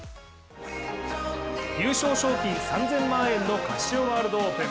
優勝賞金３０００万円のカシオワールドオープン。